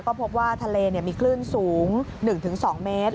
ก็พบว่าทะเลมีคลื่นสูง๑๒เมตร